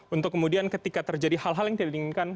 untuk kemudian ketika terjadi hal hal yang tidak diinginkan